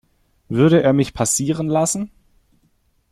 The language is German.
Würde er mich passieren lassen?